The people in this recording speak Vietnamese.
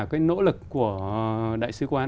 cái nỗ lực của đại sứ quán